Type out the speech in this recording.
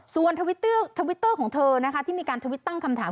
ส่วนทวิตทวิตเตอร์ของเธอนะคะที่มีการทวิตตั้งคำถาม